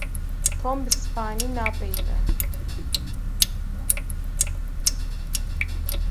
Tom bi Spanî napeyive.